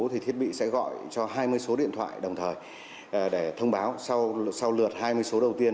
thì thiết bị sẽ gọi cho hai mươi số điện thoại đồng thời để thông báo sau lượt hai mươi số đầu tiên